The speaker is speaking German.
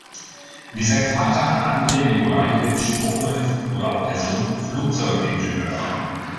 Wie sein Vater, Andrei Nikolajewitsch Tupolew, wurde auch der Sohn Flugzeugingenieur.